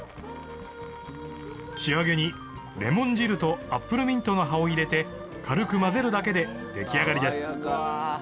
仕上げにレモン汁とアップルミントの葉を入れて軽く混ぜるだけで出来上がりです。